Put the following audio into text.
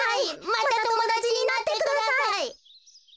またともだちになってください。